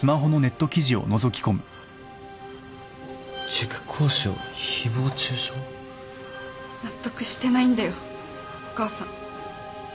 塾講師を誹謗中傷？納得してないんだよお母さん。